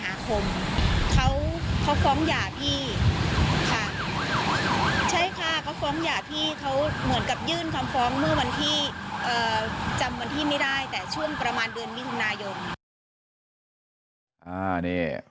พี่ค่ะใช่ค่ะเขาฟ้องหย่าพี่เขาเหมือนกับยื่นคำฟ้องเมื่อวันที่จำวันที่ไม่ได้แต่ช่วงประมาณเดือนมิถุนายน